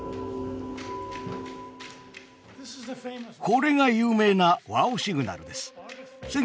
これが有名な「Ｗｏｗ！シグナル」です。